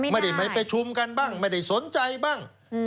ไม่ได้ประชุมกันบ้างไม่ได้สนใจบ้าง